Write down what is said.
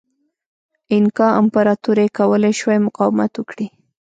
اینکا امپراتورۍ کولای شوای مقاومت وکړي.